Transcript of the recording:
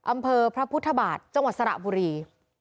อำเภอพระพุทธบาทจังหวัดสระบุรี